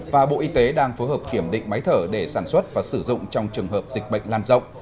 và bộ y tế đang phối hợp kiểm định máy thở để sản xuất và sử dụng trong trường hợp dịch bệnh lan rộng